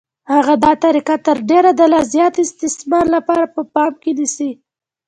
هغه دا طریقه تر ډېره د لا زیات استثمار لپاره په پام کې نیسي